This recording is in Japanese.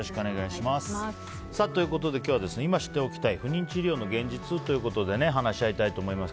ということで今日は今知っておきたい不妊治療の現実ということで話し合いたいと思います。